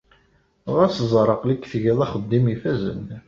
Ɣas ẓer aql-ik tgid axeddim ifazen.